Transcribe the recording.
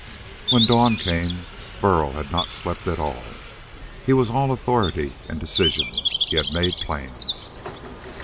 When dawn came, Burl had not slept at all. He was all authority and decision. He had made plans.